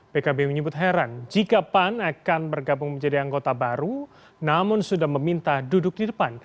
pkb menyebut heran jika pan akan bergabung menjadi anggota baru namun sudah meminta duduk di depan